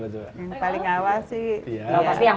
pasti yang perempuan lah